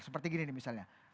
seperti gini nih misalnya